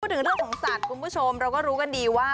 ถึงเรื่องของสัตว์คุณผู้ชมเราก็รู้กันดีว่า